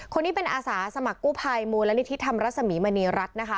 คนนี้เป็นอาสาสมัครกู้ภัยมูลนิธิธรรมรสมีมณีรัฐนะคะ